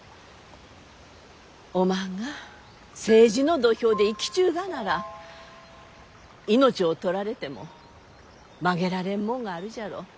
おまんが政治の土俵で生きちゅうがなら命を取られても曲げられんもんがあるじゃろう。